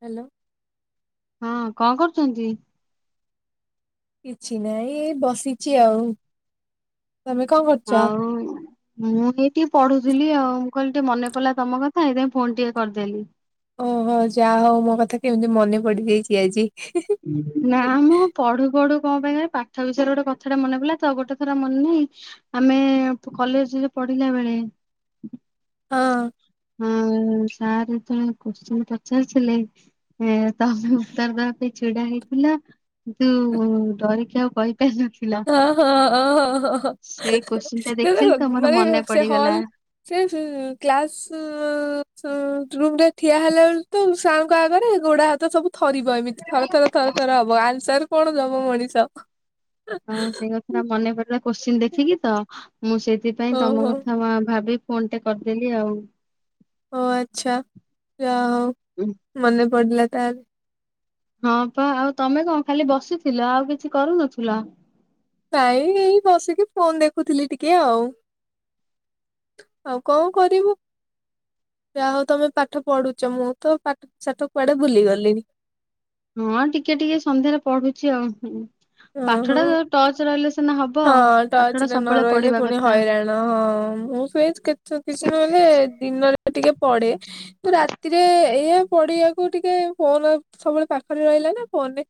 Hello. ହଁ କଣ କରୁଛନ୍ତି। କିଛି ନହିଁ ଏ ବସିଛି ଆଉ। ତମେ କଣ କରୁଛ? ଆଉ ମୁଁ ଏଇଠି ପଢୁ ବୁଝିଲି ଆଉ ମୁଁ କହିଲି ଟିକେ ମନେ ପଡିଲ ତମ କଥା ଏଇଥିପାଇଁ ଫୋନ ଟିକେ କରିଦେଲି। ଓହୋ ଯାହା ହଉ ମୋ କଥା କେମିତି ମନେ ପଡି ଯାଇଛି ଆଜି। ନାଁ ମ ପଢୁ ପଢୁ କଣ ପାଇଁ ପାଠ ବିଷୟରେ ଗୋଟେ କଥାଟା ମନେ ପିଲା ତ ଗୋଟେ ଥର ମନେ ନାହିଁ ଆମେ କଲେଜରେ ପଢିଲା ବେଳେ ହଁ। ହଁ ସାର୍ ଯେତେବେଳେ କୋଶ୍ଚିନ ପଚାରିଥିଲେେ ଏ ତମେ ଉତ୍ତର ଦବା ପାଇଁ ଛିଡା ହେଇଥିଲା କିନ୍ତୁ ଡରିକି ଆଉ କହି ହଁ ହଁ ହଁ ହଁ ସେଇ କୋଶ୍ଚିନ୍ ଟା ହଁ ହ ଦେଖିଲି ତ ମୋର ମାନେ ମନେ ସେ ହଲ ପଡିଗଲା ସେ କ୍ଲାସ ହୁଁ ହୁଁ ରୁମ ରେ ଠିଆ ହେଲା ବେଳ ତ ସାରଙ୍କ ଆଗରେ ଘୋଡାହାତ ତ ସବୁ ଥରିବ ଏମିତି ଥରେ ଥର ଥରେ ଥର ହବ [inaudible] କଣ ଦବ ମଣିଷ ହଁ ସେଇ କଥା ଟା ମନେ ପଡିଲା କୋଶ୍ଚିିନ ଦେଖିକି ତ ମୁଁ ସେଥିପାଇଁ ତମ ଓହୋ କଥା ଭାବି ଫୋନ୍ ଟେ କରିଦେଲି ଆଉ ଓ ଆଚ୍ଛା। ଯାହା ହୋଉ ଉଁ, ମନେ ପଡିଲା ତା ହଁ ପା ଆଉ ତମେ କଣ ଖାଲି ବସିଥିଲ ଆଉ କିଛି କରୁନଥିଲ। ନାଇଁ ଏ ବସିକି ଫୋନ ଦେଖୁଥିଲି ଟିକେ ଆଉ ଆଉ କଣ କରିବୁ ଯା ହଉ ତମେ ପାଠ ପଢୁଛ ମୁଁ ତ ପାଠଶାଠ କୁଆଡେ ଭୁଲିଗଲିଣି। ହଁ ଟିକେ ଟିକେ ସନ୍ଧ୍ୟାରେ ପଢୁଛି ଆଉ ଓ ପାଠ ହୋ ଟା ଟଚ୍ ରହିଲେ ସିନା ହବ। ହଁ ପାଠ ଟଚ୍ ଟା ରେ ନ ସବୁବେଳେ ରହିଲେ ପଢିବା ପୁଣି କଥା ହଇରାଣ ହଁ ମୁଁ ସେ କେ କିଛି ନହେଲେ ଦିନରେ ଟିକେ ପଢେ କିନ୍ତୁ ରାତିରେ ଏଇଆ ପଢିବାକୁ ଟିକେ ଫୋନ ସବୁବେଳେ ପାଖରେ ରହିଲା ନା ଫୋନରେ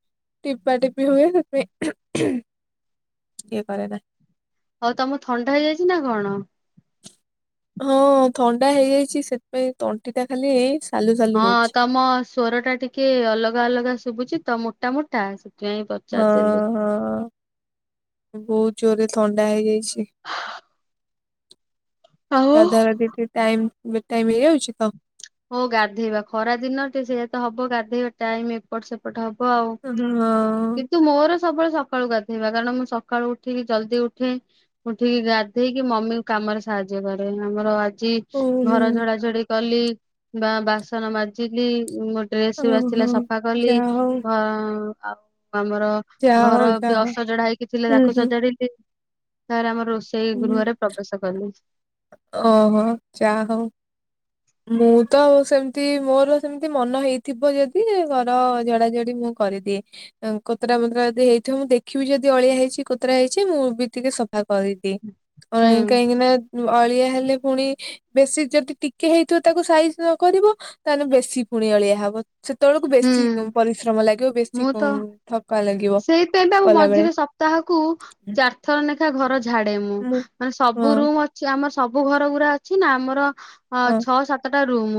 ଟିପା ଟିପି ହୁଏ। [inaudible] କିଏ କରେନା ଆଉ ତମ ଥଣ୍ଡା ହେଇଯାଇଛି ନାଁ କଣ? ହଁ ଥଣ୍ଡା ହେଇଯାଇଛି ସେଥିପାଇଁ ତଣ୍ଟି ଟା ଖାଲି ସାଲୁ ସାଲୁ ହଁ ହଉଛି। ତମ ସ୍ଵର ଟା ଟିକେ ଅଲଗା ଅଲଗା ଶୁଭୁଛି ତ ମୋଟା ମୋଟା ସେଥିପାଇଁ ହଁ ପଚାରିଦେଲି। ହଁ ବହୁତୁ ଜୋରେ ଥଣ୍ଡା ହେଇଯାଇଛି। ଆଉ ଗାଧାଁ ଗାଧି ଠିକି ଟାଇମ ବେଟାଇମ୍ ହେଇଯାଉଛି ତ ହଉ ଗାଧେଇବା ଖରା ଦିନ ଟେ ସେଇଆ ତ ହବ ଗାଧେଇବା ଟାଇମ ଏପଟ ସେପଟ ହବ କଣ ହଁ। କିନ୍ତୁ ମୋର ସବୁବେଳେ ସକାଳୁ ଗାଧେଇବା କାରଣ ମୁଁ ସକାଳୁ ଉଠିକି ଜଲ୍ଦି ଉଠେ ମୁଁ ଉଠିକି ଗାଧେଇକି ମମି କାମରେ ସାହାଯ୍ୟ କରେ ଆମର ଓହୋ ଘର ଝଡା ଝଡି କଲି ବା ବାସନ ମାଜିଲି ଗୋଟେ ଡ୍ରେସଗୁଡା କ ଥିଲା ଓହୋ ସଫା କଲି ଯାହା ହଉ ଓ ଅଁ ଆଉ ଆମର ଯାହା ଘର ହଉ ବି ଯାହା ହଉ ଅସଜଡା ହେଇକି ଥିଲେ ହୁଁ ତାକୁ ସଜାଡିଲି ସରେ ଆମର ରୋଷ ହଁ ଓହୋ ଯା ହଉ ମୁଁ ତ ସେମତି ମୋର ସେମତି ମନ ହେଇଥିବ ଯଦି ଘର ଜଝଡାଜଡି ମୁଁ କରିଦିଏ କତରା ମତରା ଯଦି ହେଇଥିବ ମୁଁ ଦେଖିବି ଯଦି ଅଳିଆ ହେଇଛି କୋତରା ହେଇଛି ମୁଁ ବି ଟିକେ ସଫା କରିଦିଏ। ହୁଁ କାହିଁକିନା ଅଳିଆ ହେଲେ ପୁଣି ବେଶୀ ଯଦି ଟିକେ ହେଇଥିବ ତାକୁ ସାଇଜ ନ କରିବ ତାହେଲେ ବେଶୀ ପୁଣି ଅଳିଆ ହବ ସେତେବେଳକୁ ହୁଁ ବେଶୀ ପରିଶ୍ରମ ଲାଗିବ ବେଶୀ ମୁଁ ତ ଥକା ଲାଗିବ ସେଇଥିପାଇଁ ବା ମୁଁ କଲାବେଳେ ମଝିରେ ସପ୍ତାହକୁ ଚାରିଥର ଲେଖା ଘର ଝାଡେ ମୁଁ ମାନେ ସବୁ ହଁ ରୁମ ଅଛି ଆମର ସବୁ ଘର ଗୁରା ଅଛି ନା ଆମର ଅ ହଁ ଛଅ ସାତ ଟା ରୁମ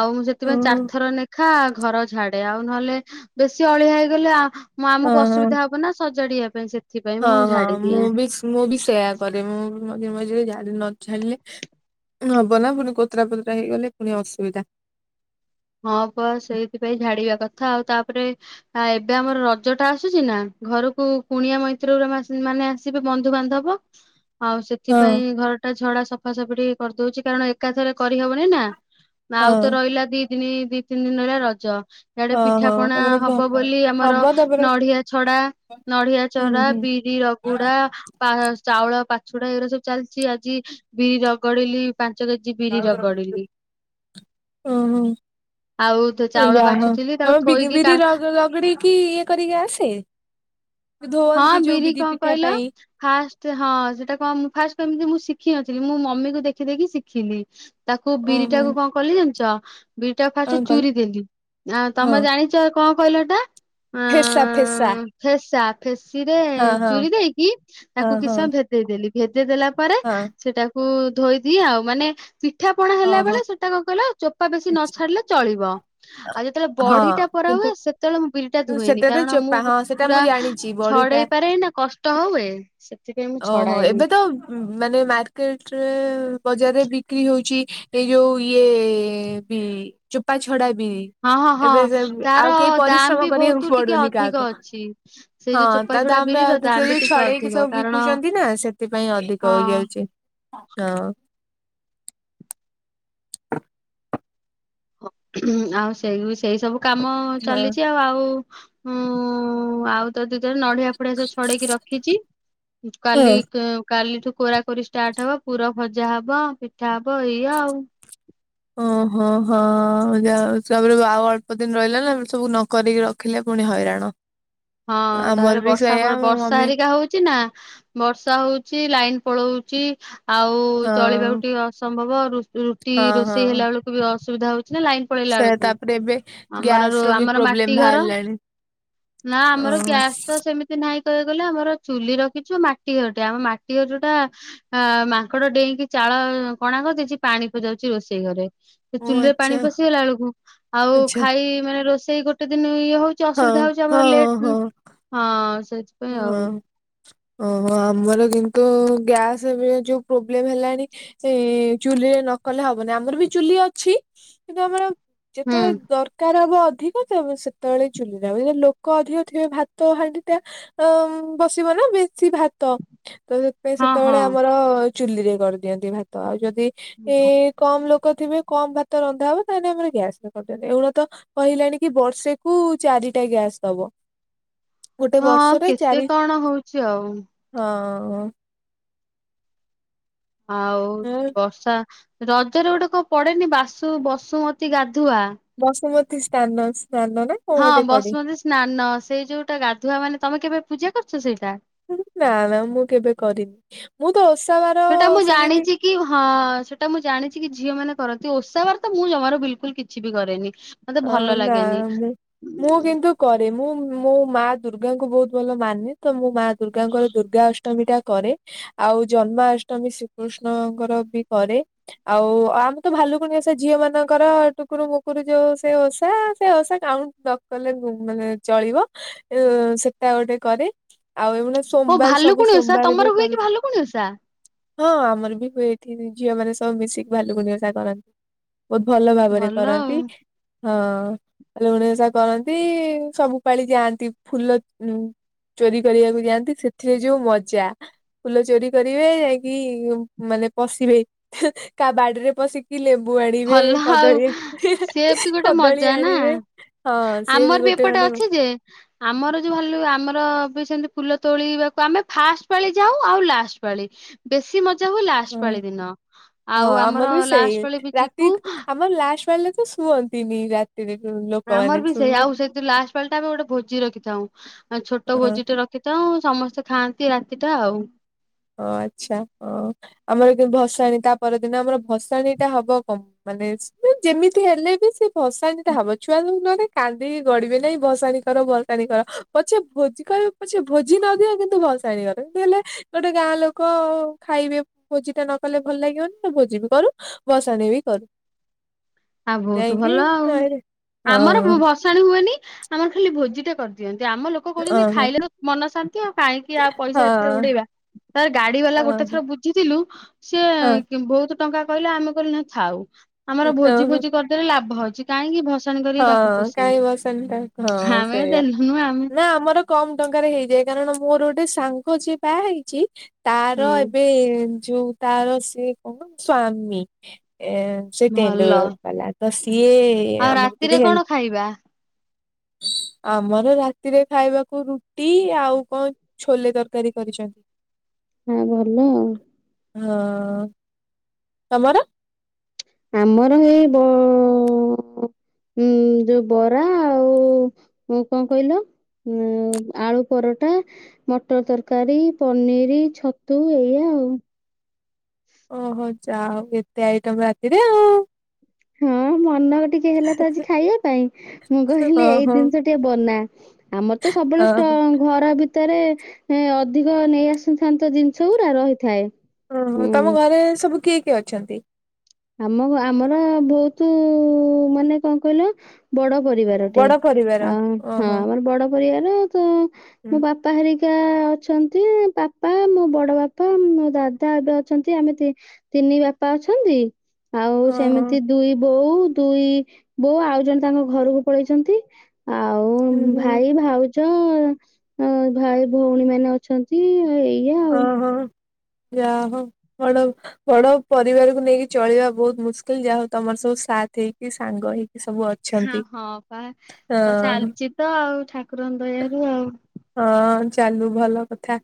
ଆଉ ମୁଁ ସେଥିପାଇଁ ଓହୋ ଚାରି ଥର ଲେଖା ଘର ଝାଡେ ଆଉ ନହେଲେ ବେଶୀ ଅଳିଆ ହେଇଗଲେ ଆ ମୁଁ ଆମକୁ ହଁ ହଁ। ଅସୁବିଧା ହବ ନା ସଜ ଚଢିବା ପାଇଁ ସେ ହଁ ହଁ ମୁଁ ବି ମୁଁ ବି ସେୟା କରେ ମୁଁ ବି ମଝିରେ ମଝିରେ ଯାଏ ନଝାଡ଼ିଲେ ହବ ନା ପୁଣି କତରା ପତରା ହେଇଗଲେ ପୁଣି ଅସୁବିଧା ହଁ ବ ସେଇଥିପାଇଁ ଝାଡିବା କଥା କଥା ଆଉ ତାପରେ ଆ ଏବେ ଆମର ରଜ ଟା ଆସୁଛି ନା ଘରକୁ କୁଣିଆ ମୈତ୍ରୀରେ ମାନେ ଆସିବେ ବନ୍ଧୁବାନ୍ଧବ ଆଉ ସେଥିପାଇଁ ହଁ ଘରଟା ଝଡା ସଫାସଫରି କରିଦଉଛି କାରଣ ଏକାଥରେ କରିହବନି ନା ହଁ ଆଉ ତ ରହିଲା ଦି ଦ ଦି ଦି ତିନି ଦିନ ରହୀଲା ରଜ ଇଆଡେ ହଁ ପିଠା ହଁ ପଣା ତାପରେ ଘ ହବ ବୋଲି ଆମର ହବ ତାପରେ ନଡିଆ ଛଡା ନଡିଆ ହୁଁ ଛଡ଼ା ହୁଁ। ବିରି ରଗୁଡା ଚାଉଳ ପାଚୁ ଏପଟେ ଏଗୁରା ସବୁ ଚାଲିଛି ଆଜି ବି ରାଗୁଡିଲି। ପାଞ୍ଚ କେଜି ବିରି ରଗଡିଲି। ଓହୋ [inaudible] ଆଉ ଚାଉଳ ଯା ହଉ ବାଛୁଥିଲି ତାକୁ ତମେ ବିରି ଥୋଇକି ବିରି କା [inaudible] ରଗ ରଗଡିକି ଇଏ କରିକି ଆସେ? ହଁ ଧୁଅନ୍ତି ଯୋଉ ବିରି କଣ ପିଠା କହିଲ ପାଇଁ ଫାଷ୍ଟ ହଁ ସେଟା କଣ ମୁ ଫାଷ୍ଟ କେମିତି ମୁଁ ଶିଖିନଥିଲି ମୁଁ ମମିକୁ ଦେଖି ଦେଖି ଶିଖିଲି। ତାକୁ ବିରି ଓହୋ ଟାକୁ କଣ କଲି ଜଣିଛ? ହ ବିଇଟା ଫାଷ୍ଟ କଣ କହିଲ ଚୁରି ଦେଲି ଆଉ ତମେ ଜାଣିଛ କଣ କହିଲ ହେଟା? ଫେଶା ଫେଶା ଫେସି ରେ ଚୁରି ଦେଇକି ହଁ ତାକୁ କି ହଁ ସମୟ ଭେଦେଇଦେଲି। ଦେଇ ଦେଲା ପରେ ହଁ ସେଟାକୁ ଧୋଇଦିଏ ଆଉ ମାନେ ପିଠା ପଣା ହେଲା ଓହୋ ବେଳେ ସେଟା କଣ କହିଲ ଚୋପ ବେଶ ନ ଆଚ୍ଛା। ଛିଲେ ଚଳିବ ଆଉ ଯେତେବେଳେ ହଁ ବଢିଟା ପରା କିନ୍ତୁ ହୁଏ ସେତେବେଳେ ମୁଁ ବି ସେଟା ତ ଚୋପା ହଁ ସେଟା ମୁଁ ଜାଣିଛି ବଢିଟା ଛଡେଇ ପାରେନି ନା କଷ୍ଟ ହୁଏ ସେଥିପାଇଁ ମୁଁ [inaudible] ଓହୋ ଛଡାଏନି। ଏବେ ତ ମାନେ ମାର୍କେଟରେ ବଜାରରେ ବିକ୍ରି ହୁ ହୋଛି ଏଇ ଯୋଉ ଇଏ ବି ଚୋପା ଛଡା ବିରି ହଁ ହଁ ହଁ ଏବେ ସେ ଆଉ ତାର କେହି ଦାମ ପରିଶ୍ରମ ବି କରିବାକୁ ବହୁତ ଟିକେ ପଡୁନି ଅଧିକ କାହାକୁ ଅଛି। ସେଇ ହଁ ଯୋଉ ଚୋପା ତା ଛଡା ଦାମ ଟା ବିରିର ଦାମ ବି ଟିକେ ଛଡେଇକି ଅଧିକ ସବୁ କାରଣ ବିକୁଛନ୍ତି ନା ସେଥିପାଇଁ ଅଧିକ ହଁ ହେଇଯାଉଛି। ହଁ। [inaudible] ହୁଁ ଆଉ ସେଇ ସେଇ ସବୁ କାମ ହଁ। ଚାଲିଛି ଆଉ ଆଉ ହୁଁ ଉଁ ଉଁ ଆଉ ଯଦି ନଡିଆ ଫଡିଆ ସବୁ ଛଡେଇକି ରଖିଛି କାଲି ହଁ। କାଲିଠୁ କୋରା କୋରି ଷ୍ଟାର୍ଟ ହବ ପୁରା ଭଜା ହବ ପିଠା ହବ ଇଏ ଆଉ ଓହୋ ହୋ ହଁ ହଁ [unintelligible] ଆଉ ଅଳ୍ପ ଦିନ ରହିଲା ନା ସବୁ ନକିକି ରଖିଲେ ପୁଣି ହଇରାଣ। ହଁ ଆମର ତାହେଲେ ବି ବର୍ଷା ସେଇଆ ମୋ ବର୍ଷା ମମି ହେରିକା ହଉଛି ନା ବର୍ଷା ହଉଛି ଲାଇନ ପଳଉଛି। ଆଉ ଚଳିବାକୁ ହଁ ଟିକେ ଅସମ୍ଭବ ରୁଟି ହଁ ହଁ ରୋଷେଇ ହେଲା ବେଳକୁ ବି ଅ ସୁବିଧାଉ ସେ ତାପରେ ଏବେ ଆମର ଗ୍ୟାସ ରୋ ର ବି ଆମର ମାଟି ପ୍ରୋବ୍ଲେମ ଘର ବାହାରିଲାଣି। ନା ଓ ଆମର ଗ୍ୟାସ ତ ସେମିତି ନାହିଁ ହେଇଗଲେ ଆମର ଚୁଲି ରଖିଛୁ ମାଟି ଘରଟେ ଆମ ମାଟି ଘର ଯୋଉଟା ଅ ମାଙ୍କଡ ଡେଇଁକି ଚାଳ କଣାକ ଦେଇଛି ପାଣି ପ ଯାଉଛି ରୋଷେଇ ଘରେ? ସେ ଓ ଚୁଲି ରେ ପାଣି ଆଚ୍ଛା ପଶିଗଲା ବେଳକୁ ଆଉ ଆଚ୍ଛା ଖାଇ ମାନେ ରୋଷେଇ ସେଇ ଗୋଟେ ଦିନ। ଇ ହଉଛି ଅୁବିଧା ହଉଛି ମର ଲ ହଁ। ଆର୍ ସେଥିପାଇଁ ଆଉ। ହଁ। ଓହୋ, ଆମର କିନ୍ତୁ ଗ୍ୟାସ ଯୋଉ ପ୍ରୋବ୍ଲେମ ହେଲାଣି ସେ ଚୁଲିରେ ନ କଲେ ହବନି । ଆମର ବି ଚୁଲି ଅଛି କିନ୍ତୁ ଆମର ହୁଁ ଯେତେବେଳେ ଦରକାର ହବ ଅଧିକ ତାପ୍ରେ ସେତେବେଳେ ଚୁଲିରେ । ଆଉ ଏ ଲୋକ ଅଧିକ ଥିବେ, ଭାତ ହାଣ୍ଡି ଟ ଅ ଆଉ ବସିବ ନା ବି ଛି, ଭାତ । ତ ସେଥିପାଇଁ ହଁ ହଁ ସେତେବେଳେ ଆମର ଚୁଲିରେ କରିଦିଅନ୍ତି ଭାତ ଆଉ ଯଦ୍ ଏ ଏ କମ ଲୋକ କଉ ଥିବେ କମ ଭାତ ରନ୍ଧା ହବ ତାହେଲେ ଆମର ଗ୍ୟାସରେ କରି ଦିଅନ୍ତି, ଏଇନେ ତ କହିଲେଣି କି ବର୍ଷେକୁ ଚାରିଟା ଗ୍ୟାସ୍ ଦବ । ହଁ କେତେ କଣ ହଉଚି। ଆଉ । ହଁ । ଆଉ, ବର୍ଷା ରଜରେ ଗୋଟେ କଣ ପଡେନି ବାସୁ ବସୁମତୀ ଗାଧ ବସୁମତୀ । ତାନସ୍। ହଁ ବସୁମତୀ ସ୍ନାନ ସେଇ ଯଉଟା ଗାଧୁଆ ମାନେ ତମେ କେବେ ପୂଜା କରଚ ସେଇଟା? [unintelligible] ନା ନା ମୁଁ କେବେ କରିନ । ମୁଁ ତ ଓଷା ବାର ସେଟା ମୁଁ ସେମିତି ଜାଣିଚି କି ହଁ ସେଟା ମୁଁ ଜାଣିଚି କି ଝିଅ ମାନେ କରନ୍ତି ଓଷା ବାର ତ ମୁଁ ଜମାରୁ ବିଲକୁଲ କିଛି ବି କରେନି । ଅ ନା ମୁଁ, ମୁଁ କିନ୍ତୁ କରେ ମୁଁ ମୋ ମା ଦୁର୍ଗାଙ୍କୁ ବହୁତ ଭଲ ମାନି ତ ମୁଁ ମା ଦୁର୍ଗାଙ୍କର ଦୁର୍ଗା ଅସ୍ ଅଷ୍ଟମୀ ଟା କରେ, ଆଉ ଜନ୍ମାଷ୍ଟମୀ ଶ୍ରୀକୃଷ୍ଣଙ୍କର ବି କରେ, ଆଉ ଆମେ ତ ଭାଲୁକୁଣି ଓଷା ଝିଅ ମାନଙ୍କର ଟୁକୁରୁ ମୁକୁରୁ ଜଷ୍ଟ୍ ସେ ଓଷା, ସେ ଓଷା କାଉ ନକଲେ ମ ମାନେ ଚଳିବ, ଏ ସେଟା ଗୋଟେ କରେ । ହଁ, ଭାଲୁ କୁଣି ଓଷା ତମର ହୁଏ କରେ କି ଭାଲୁ କୁଣି ଓଷା? ହଁ ଆମର ବି ହୁଏ ଏଠି ଝିଅ ମାନେ ସବୁ ମିଶିକି ଭାଲୁକୁଣି ଓଷା କରନ୍ତି । ବହୁତ ଭଲ ଭାବରେ କରନ୍ତି । ହଁ ଲୁଣି ଓଷା କରନ୍ତି, ସବୁ ପାଳି ଯାଆନ୍ତି ଫୁଲ ଉମ୍ ଚୋରି କରିବାକୁ ଯାଆନ୍ତି, ସେଥିରେ ଯୋଉ ମଜା, ଫୁଲ ଚୋରି କରିବେ ଯାଇକି ମାନେ ପଶିବେ କା ବାଡିରେ ପଶିକି ଲେମ୍ ବୁଆଡିବେ କଦଳୀ ହିଁ ହିଁ। ସେ ବି ଗୋଟେ ମଜା ନା, ସିଏ ଆମର ବି ଗୋଟେ ଏପଟେ ମାନେ ଅଛି ଯେ ଆମର ଯୋଉ ଭାଲୁ ଆମର ବି ସେମିତି ଫୁଲ ତୋଳିବାକୁ ଆମେ ଫାଷ୍ଟ ପାଳି ଯାଉ ଆଉ ଲାଷ୍ଟ ପାଳି । ବେଶି ମ ମଜା ହୁଏ ଲାଷ୍ଟ ହଁ ପାଳି ଦିନ। ଆଉ ଆମର ଲାଷ୍ଟ ପାଳି ବି ଯି ଦିକ୍ ଆମ ଲା ଲାଷ୍ଟ ପାଳିରେ ତ ଶୁଅନ୍ତିନି ରାତ ଆମର ବି ସେଇଆ ଆଉ ସେଇ ଯୋଉ ଲାଷ୍ଟ ପାଳି ଟା ଆମେ ଗୋଟେ ଭୋଜି ରଖିଥାଉ ଛୋଟ ଅ ଭୋଜି ଟେ ରଖିଥାଉ ସମସ୍ତେ ଖାଆନ୍ତି। ରାତିଟା ଆଉ । ଓ ଆଚ୍ଛା ଓ ଆମର କିନ୍ତୁ ଭସାଣି ତା ପରଦିନ ଆମର ଭସାଣି ଟା ହବ କ ମାନେ ଯେମିତି ହେଲେ ବି ସେ ଭସାଣି ଟା ହବ ଛୁଆ ନ ହେଲେ କାନ୍ଦିକି ଗଡିବେ ନାଇଁ ଭସାଣି କର ଭସାଣି କର ପଛେ ଭୋଜି କର ପଛେ ଭୋଜି ନଦିଅ କିନ୍ତୁ ଭସାଣି କର ହେଲେ ଗୋଟେ ଗାଁ ଲୋକ ଖାଇବେ ଭୋଜି ଟା ନ କଲେ ଭଲ ଲାଗିବନି ତ ଭୋଜି ବି କରୁ ଭସାଣି ବି କରୁ। ଆଉ ବହୁତ ଯାଇକି ଭଲ ଆଉ ନଈରେ ଆମର ବ ହଁ ଭସାଣି ହୁଏନି ଆମର ଖାଲି ଭୋଜି ଟା କରିଦିଅ ଯେ ଆମ ଲୋକ କହୁଛନ୍ତି ଓହୋ ଖାଇଲେ ମନ ଶାନ୍ତି ଆଉ କାହିଁକି ଆଉ ପଇସା ହଁ ଏଥିରେ ଉଡେଇବା ତାର ଗାଡି ବାଲା ଗୋଟେ ହଁ ଥର ବୁଝିଥିଲୁ ସିଏ ହଁ ବହୁତ ଟଙ୍କା କହିଲେ ଆମେ କହିଲୁ ନାଇଁ ଥାଉ । ଆମର ଭୋଜି ଭୋଜି ଓହୋ ଭୋଜି କରିଦେଲେ ଲାଭ ଅଛି । କାହିଁକି ଭ ହଁ କାଇଁ ଭସାଣି କାହିଁ ହଁ ଆମେ ସେଇଆ ଦେଲୁନୁ ଆମେ ନା ଆମର କମ ଟଙ୍କାରେ ହେଇଯାଏ କାରଣ ମୋର ଗୋଟେ ସାଙ୍ଗ ଯିଏ ବାହା ହେଇଛି ହୁଁ ତାର ଏବେ ଯୋଉ ତାର ସିଏ କଣ ସ୍ଵାମୀ ଏ ସେ ଟେଣ୍ଡ ଭଲ ବାଲା। ଦସ୍ ସିଏ ଆଉ ଆମ ରାତିରେ କଣ ଖାଇବା । ଆମର ରାତିରେ ଖାଇବାକୁ ରୁଟି ଆଉ କଣ ଛୋଲେ ତରକାରୀ କରିଛନ୍ତି। ହଁ ଭଲ ଆଉ। ହଁ। ତମର? ଆମର ଏଇ ବ ଉ ଯୋଉ ବରା ଆଉ କଣ କହିଲ ଉ ଆଳୁ ପରଟା ମଟର ତରକାରୀ ପନିର ଛତୁ ଏଇଆ ଆଉ। ଓହୋ ଯାହା ହଉ ଏତେ ଆଇଟମ ରାତିରେ ଆଉ। ହଁ ମ ନ ଟିକେ ହେଲା ତ ଆଜି ଖାଇବା ପାଇଁ ମୁଁ କହିଲି ଏଇ ଓହୋ ଜିନିଷ ଟିକେ ବନା ଆମର ତ ସବୁବେଳେ ଓହୋ ଷ୍ଟକ ଘର ଆଗରେ ତରେ ଅଧିକ ନେଇ ଆସିଥାନ୍ତେ ଜିନିଷ ଗୁରା ରହିଥାଏ । ହଁ ହଁ ତମ ଘରେ ସବୁ କିଏ ଅଛନ୍ତି। ଆମ ଆମର ବହୁତ ମାନେ କଣ କହିଲ ବଡ ପରିବାରଟେ ବଡ ପରିବାର ଆଉ ହଁ ଓହୋ ଆମର ବଡ ପରିବାର ତ ହୁଁ ମୋ ବାପା ହେରିକା କା ଅଛନ୍ତି ବାପା ମୋ ବଡ ବାପା ମୋ ଦାଦା ଏବେ ଅଛନ୍ତି ଆମେ ଆମେ ତିନି ବାପା ଅଛନ୍ତି ଆଉ ଓହୋ ସେମିତି ଦୁଇ ବୋଉ ଦୁଇ ବୋଉ ଆଉ ଜଣେ ତାଙ୍କ ଘରକୁ ପଳେଇଛନ୍ତି। ଆଉ ହୁଁ ଉମ ହୁଁ ଭାଇ ଭାଉ ହୁଁ ଭାଇ ଭଉଣୀ ମାନେ ଅଛନ୍ତି ଆଉ ଏଇ ଈଆ ଆଉ ଯା ହଉ ବଡ ହ ବଡ ପରିବାରକୁ ନେଇକି ଚଳିବା ବହୁତ ମୁସ୍କିଲ ଯାହା ହଉ ତମର ସବୁ ସାଥ ହେଇକି ସାଙ୍ଗ ହେଇକି ସବୁ ହାଁ ଅଛନ୍ତି ହଁ ପା ତ ହଁ ଚାଲିଚ ତ ଆଉ ଙ୍କର ଦୟାରୁ ଆଉ ହଁ ଚାଲୁ ଭଲ କଥା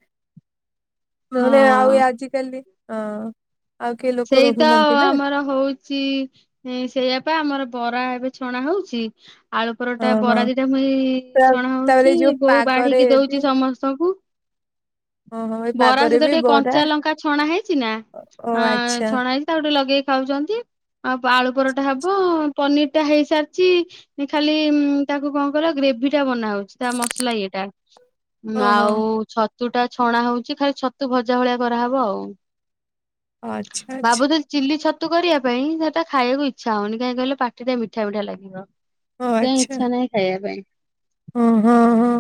ମାନେ ଆଉ ଆଜିକାଲି ଅ ଅଁ ସେଇ ତ ଆମର ହଉଚି ଉମ ସେଇଆ ପା ଆମର ବରା ଏବେ ଛଣା ହଉଛି ଆଳୁ ପରଟା ହଁ ହଁ ବରା ଦିଟା ମୁଇଁ ତା- ଛଣା ତାପରେ ଏଇ ହଉଛି ଯୋଉ ବୋଉ ପାଗରେ ବାଢିକି ବି ଦଉଚି ସମସ୍ତଙ୍କୁ ଓହୋ ଏଇ ବରା ପାଗରେ ସହିତ ବି ଟିକେ ବରା କଞ୍ଚା ଲଙ୍କା ଛଣା ହେଇଚି ନା? ଓ ଆ ଆ ଆଚ୍ଛା ଛଣା ହେଇଚି ତାକୁ ଗୋଟେ ଲଗେଇକି ଖାଉଚନ୍ତି ଆଉ ଆଳୁ ପରଟା ହବ ପନିର ଟା ହେଇସାରିଚି ଖାଲି ଉମ ତାକୁ କ ଣ କହିଲ ଗ୍ରେଭି ଟା ବନାହଉଛି ତା ମସଲା ଇଏଟା। ଓହୋ ଆଉ ଛ ଛତୁ ଟା ଛଣା ହଉଚି ଖାଲି ଛତୁ ଭଜା ଭଳିଆ କରାହେବ ଆଉ। ଆଚ୍ଛା ଆଚ୍ଛା ବାବୁ ତ ଚିଲ୍ଲୀ ଛତ ତୁ କରିବା ପାଇଁ ସେଟା ଖାଇବାକୁ ହଉନି ଇଚ୍ଛା କାଇଁ କହିଲ ପାଟିଟା ମିଠା ମିଠା ଲାଗିବ। ଥି ପାଇଁ ଇଚ୍ଛା ନାଇଁ ଖାଇବା ପାଇଁ। ହଁ ହଁ ହଁ